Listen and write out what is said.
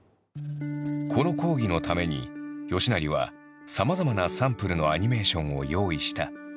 この講義のために吉成はさまざまなサンプルのアニメーションを用意した。